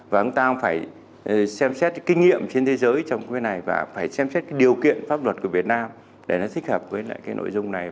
và chúng ta cũng phải xem xét kinh nghiệm trên thế giới trong cái này và phải xem xét điều kiện pháp luật của việt nam để nó thích hợp với nội dung này